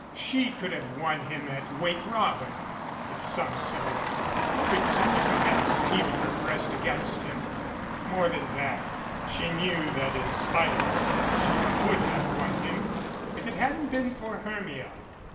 She could have won him at "Wake Robin" if some silly Quixotism hadn't steeled her breast against him more than that, she knew that in spite of herself she would have won him if it hadn't been for Her mia.